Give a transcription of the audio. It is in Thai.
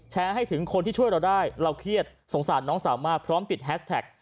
ให้ถึงคนที่ช่วยเราได้เราเครียดสงสารน้องสาวมากพร้อมติดแฮสแท็ก